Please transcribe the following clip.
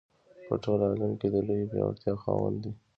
په ټول عالم کې د لویې پیاوړتیا خاوند دی.